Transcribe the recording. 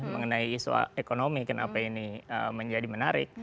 mengenai isu ekonomi kenapa ini menjadi menarik